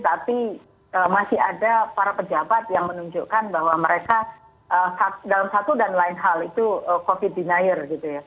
tapi masih ada para pejabat yang menunjukkan bahwa mereka dalam satu dan lain hal itu covid denizer gitu ya